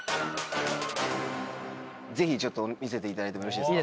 ぜひ見せていただいてもよろしいですか？